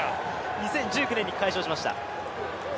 ２０１９年に開始をしました。